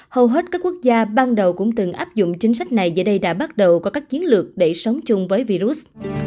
hầu hết các quốc gia ban đầu cũng từng áp dụng chính sách này giờ đây đã bắt đầu có các chiến lược để sống chung với virus